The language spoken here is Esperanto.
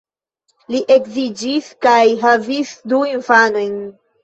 Li edziĝis kaj havis du infanojn.